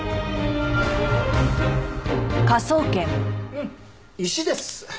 うん石です。